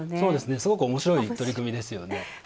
すごくおもしろい取り組みですよね。